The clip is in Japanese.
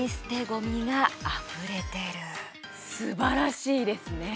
すばらしいですね。